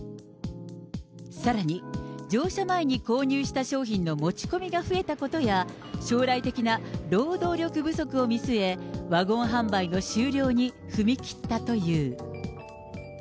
さらに、乗車前に購入した商品の持ち込みが増えたことや、将来的な労働力不足を見据え、ワゴン販売の終了に踏み切ったという。